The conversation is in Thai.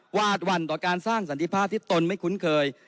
วาดหวั่นต่อการสร้างสันติภาพที่ตนไม่คุ้นเคย